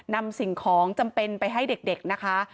สิ่งของจำเป็นไปให้เด็กนะคะ